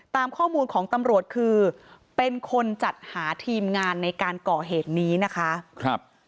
ตามข้อมูลของตำรวจคือเป็นคนจัดหาทีมงานในการก่อเหตุนี้นะคะ